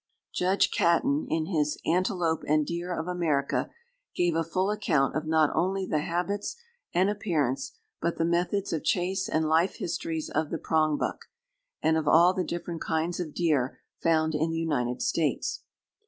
Judge Caton, in his "Antelope and Deer of America," gave a full account of not only the habits and appearance, but the methods of chase and life histories of the prongbuck, and of all the different kinds of deer found in the United States.